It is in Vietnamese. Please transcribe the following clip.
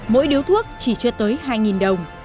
mỗi điếu thuốc chỉ chưa tới hai đồng